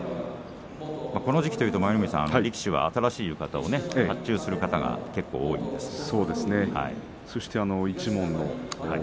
この時期というと、舞の海さん力士は新しい浴衣を発注するわけですが。